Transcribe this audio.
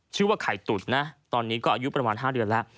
ชื่อว่าไข่ตุ๋นนะตอนนี้ก็อายุประมาณ๕เดือนแล้ว